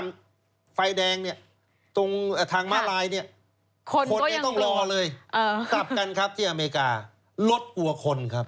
เมืองอเมริกาลดกว่าคนครับ